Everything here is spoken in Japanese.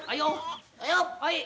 はい。